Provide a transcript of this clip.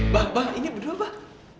abah abah ini bedua abah